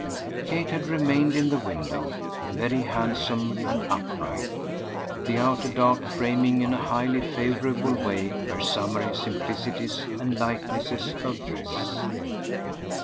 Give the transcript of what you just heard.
Kate had remained in the window, very handsome and upright, the outer dark framing in a highly favourable way her summery simplicities and lightnesses of dress.